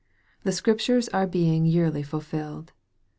The Scriptures are being yearly fulfilled.